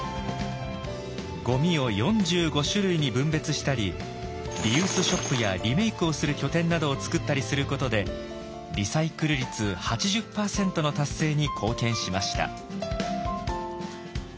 ゴミを４５種類に分別したりリユースショップやリメイクをする拠点などを作ったりすることでリサイクル率８０％の達成に貢献しました。